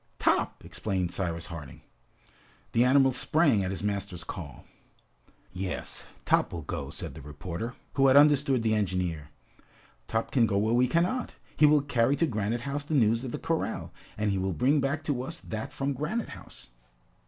"Top!" exclaimed Cyrus Harding. The animal sprang at his master's call. "Yes, Top will go," said the reporter, who had understood the engineer. "Top can go where we cannot! He will carry to Granite House the news of the corral, and he will bring back to us that from Granite House!"